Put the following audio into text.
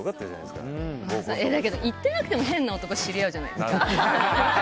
でも、行ってなくても変な男と知り合うじゃないですか。